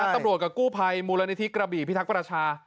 กับกู้ภัยมูลนิธิกระบี่พิทักษ์ประชา